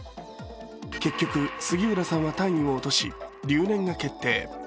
結局、杉浦さんは単位を落とし、留年が決定。